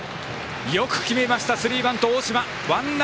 よく決めました、スリーバント大島。